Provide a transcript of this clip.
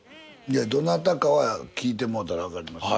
どなたかは聞いてもろうたらわかります。